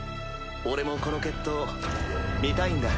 俺もこの決闘見たいんだ。